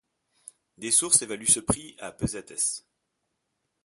Des sources évaluent ce prix à pesetes.